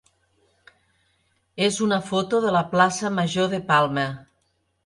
és una foto de la plaça major de Palma.